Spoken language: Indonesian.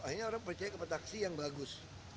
akhirnya orang percaya kepada taksi yang bagus